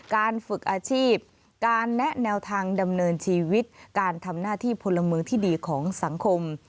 การฝึกอาชีพการแนะแนวทางดำเนินชีวิตการทำหน้าที่พลเมืองที่ดีของสังคม